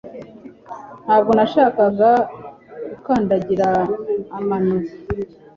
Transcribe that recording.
Ntabwo nashakaga gukandagira amano